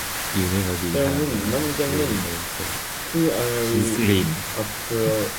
“You never did have a grain of sense!” she screamed.